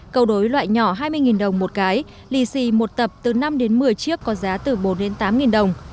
cầu đối loại nhỏ hai mươi đồng một cái lì xì một tập từ năm đến một mươi chiếc có giá từ bốn đến tám đồng